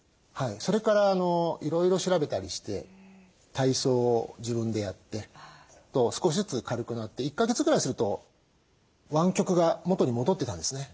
それからいろいろ調べたりして体操を自分でやって少しずつ軽くなって１か月ぐらいすると湾曲が元に戻ってたんですね。